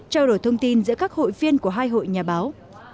trao đổi thông tin giữa các hội viên của hai hội nhà báo